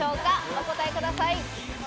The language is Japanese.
お答えください。